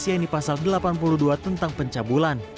yaitu pasal delapan puluh dua tentang pencabulan